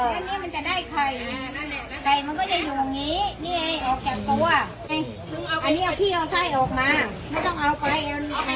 ขายดีมากนะขายดีดิดำดำหนึ่งของสุราชเลยไข่เนี้ย